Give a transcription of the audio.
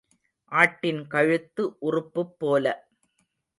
ஆட்டின் கழுத்து உறுப்புப் போல.